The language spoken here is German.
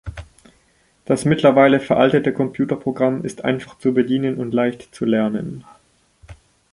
Das mittlerweile veraltete Computerprogramm ist einfach zu bedienen und leicht zu lernen.